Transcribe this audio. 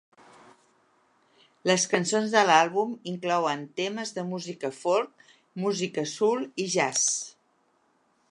Les cançons de l'àlbum inclouen temes de música folk, música soul i jazz.